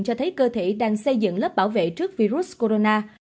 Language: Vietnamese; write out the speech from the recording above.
cho thấy cơ thể đang xây dựng lớp bảo vệ trước virus corona